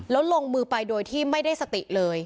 แล้วลงมือไปโดยที่ไม่ได้สติเลย